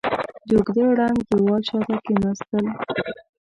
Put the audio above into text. د اوږده ړنګ دېوال شاته کېناستل.